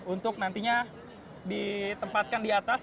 untuk nantinya ditempatkan di atas